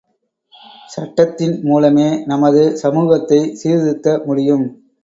சட்டத்தின் மூலமே நமது சமூகத்தை சீர்திருத்த முடியும்.